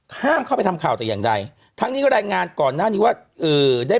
ห้ามเข้าไปทำข่าวแต่อย่างใด